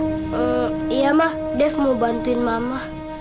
hmm iya ma dev mau bantuin mama